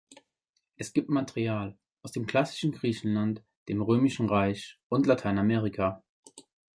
Es gibt Material aus dem klassischen Griechenland, dem Römischen Reich und Lateinamerika.